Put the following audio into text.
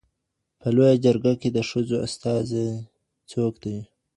په لویه جرګه کي د ښځو استازي څوک دي؟